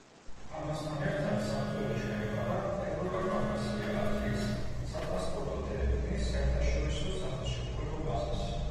ამასთან ერთად, საფუძველი ჩაეყარა ევროპა-კავკასია-აზიის სატრანსპორტო დერეფნის საერთაშორისო სახელშეკრულებო ბაზას.